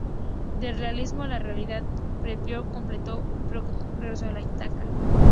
Del realismo a la Realidad: periplo completo; pictórico regreso a Ítaca.